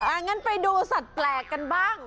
งั้นไปดูสัตว์แปลกกันบ้าง